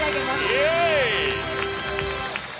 イェーイ！